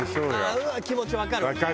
気持ちわかるわ。